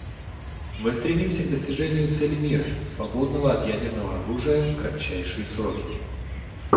Мы стремимся к достижению цели мира, свободного от ядерного оружия, в кратчайшие сроки.